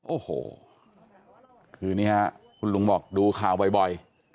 โอ้โหคือนี่ฮะคุณลุงบอกดูข่าวบ่อย